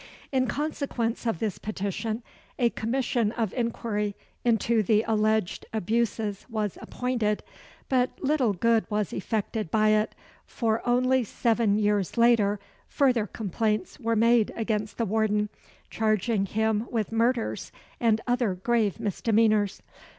In consequence of this petition, a commission of inquiry into the alleged abuses was appointed; but little good was effected by it, for only seven years later further complaints were made against the warden, charging him with "murders and other grave misdemeanours."